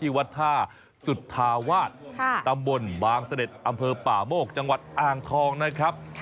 ที่วัดท่าสุธาวาสตำบลบางเสด็จอำเภอป่าโมกจังหวัดอ่างทองนะครับ